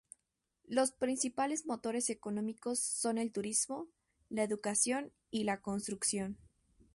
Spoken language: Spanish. Los principales motores económicos son el turismo, la educación y la construcción.